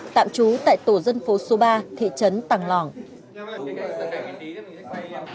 tạm trú tại tổ dân phố số ba thị trấn tàng lỏng